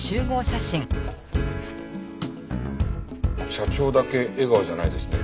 社長だけ笑顔じゃないですね。